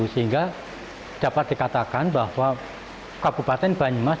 sehingga dapat dikatakan bahwa kabupaten banyumas